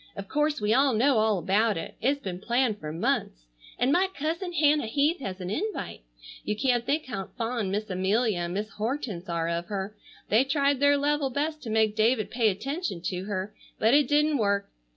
Of course we all know all about it. It's been planned for months. And my cousin Hannah Heath has an invite. You can't think how fond Miss Amelia and Miss Hortense are of her. They tried their level best to make David pay attention to her, but it didn't work.